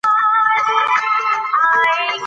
که ته درس ووایې نو په ژوند کې به بریالی شې.